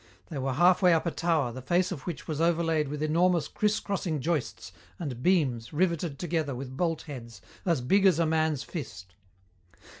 They were halfway up a tower the face of which was overlaid with enormous criss crossing joists and beams riveted together with bolt heads as big as a man's fist.